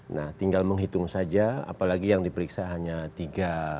nah tinggal menghitung saja apalagi yang diperiksa hanya tiga